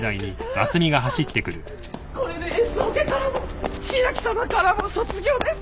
これでＳオケからも千秋さまからも卒業です！